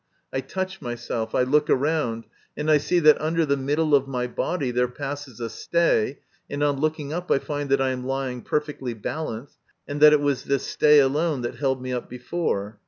I touch myself, I look around, and I see that under the middle of my body there passes a stay, and on looking up I find that I am lying perfectly balanced, and that it was this stay alone that held me up before.